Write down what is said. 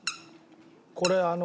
これあの。